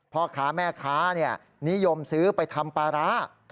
พ่อค้าแม่ค้านิยมซื้อไปทำปลาร้า